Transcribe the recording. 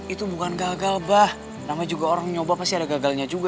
itu bukan gagal bah namanya juga orang nyoba pasti ada gagalnya juga